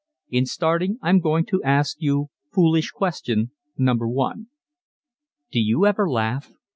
In starting I'm going to ask you "foolish question number 1." Do you ever laugh?